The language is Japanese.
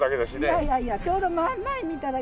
いやいやいやちょうど前見たらいいよ。